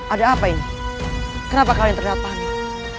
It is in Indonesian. ada apa ini kenapa kalian terlihat panik